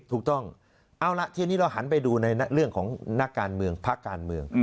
ถูกต้องเอาละทีนี้เราหันไปดูในเรื่องของนักการเมืองพักการเมือง